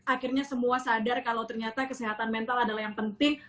akhirnya semua sadar kalau ternyata kesehatan mental adalah yang penting